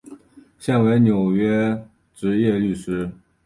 现为纽约执业律师。